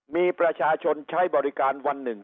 มีประชาชนใช้บริการวันหนึ่ง